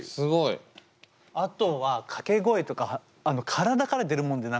あとは掛け声とか体から出るもんで何かを。